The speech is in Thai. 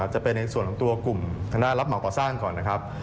จะเป็นในส่วนของตัวกลุ่มคณะรับเหมาก่อสร้างก่อนนะครับ